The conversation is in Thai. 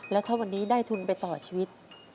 แล้วถ้าวันนี้ได้ทุนไปต่อชีวิต